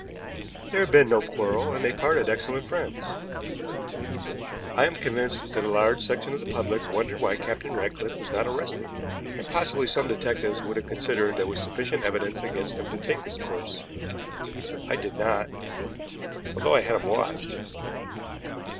There had been no quarrel, and they had parted excellent friends. I am convinced that a large section of the public wondered why Captain Ratcliffe was not arrested, and possibly some detectives would have considered there was sufficient evidence against him to take this course. I did not, although I had him watched.